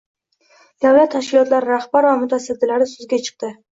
davlat tashkilotlari rahbar va mutasaddilari so‘zga chiqdi.